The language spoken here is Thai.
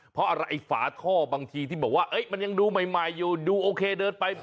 เพราะอะไรไอ้ฝาท่อบางทีที่บอกว่ามันยังดูใหม่อยู่ดูโอเคเดินไป